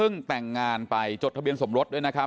แต่งงานไปจดทะเบียนสมรสด้วยนะครับ